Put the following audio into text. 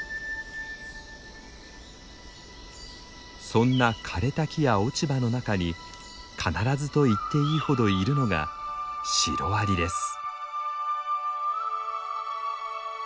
そんな枯れた木や落ち葉の中に必ずといっていいほどいるのがシロアリです。